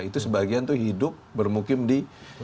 itu sebagian itu hidup bermukim di